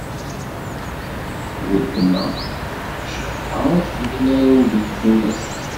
Ultma Cabḥa ur tḥemmel ara udi n tfunast.